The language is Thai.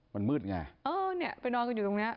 มันมืดไง